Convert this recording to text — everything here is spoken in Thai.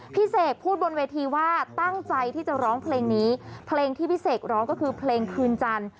เสกพูดบนเวทีว่าตั้งใจที่จะร้องเพลงนี้เพลงที่พี่เสกร้องก็คือเพลงคืนจันทร์